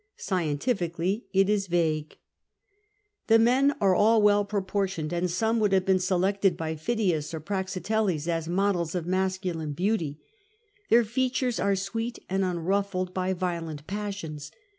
Scientifically, it is vague. VIII THE OTAHEITANS lOI The men are all well proportioned, and some would have been selected by Phidias or Praxiteles as models of masculine beauty. Their features are sweet and unruffled by violent passions.